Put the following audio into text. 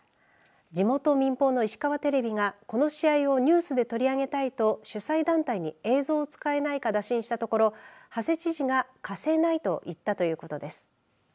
地元民放の石川テレビがこの試合をニュースで取り上げたいと主催団体に映像を使えないか打診したところ馳知事が貸せないと言ったということです。